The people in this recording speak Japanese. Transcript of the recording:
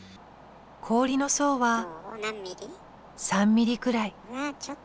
氷の層は３ｍｍくらい。